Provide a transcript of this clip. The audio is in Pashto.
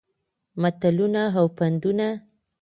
متلونه او پندونه